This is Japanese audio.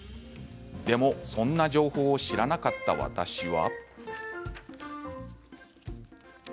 でも、そんな情報を知らなかった私は。